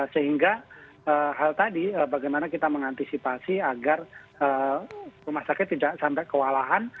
sehingga hal tadi bagaimana kita mengantisipasi agar rumah sakit tidak sampai kewalahan